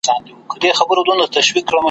د توپانه ډکي وريځي ,